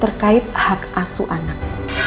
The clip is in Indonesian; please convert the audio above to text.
terkait hak asu anak